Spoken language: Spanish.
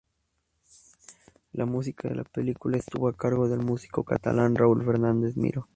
La música de la película estuvo a cargo del músico catalán Raül Fernández Miró.